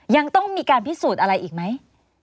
ยังต้องมีการพิสูจน์อะไรอีกไหม